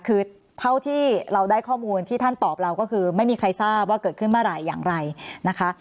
คือเท่าที่เราได้ข้อมูลที่ท่านตอบเราก็คือไม่มีใครทราบว่าเกิดขึ้นเมื่อไหร่อย่างไรนะคะ